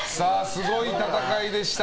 すごい戦いでした。